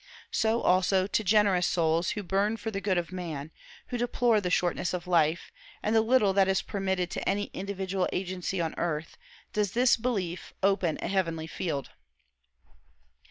So, also, to generous souls, who burn for the good of man, who deplore the shortness of life, and the little that is permitted to any individual agency on earth, does this belief open a heavenly field.